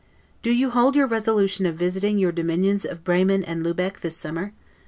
Do you hold your resolution of visiting your dominions of Bremen and Lubeck this summer?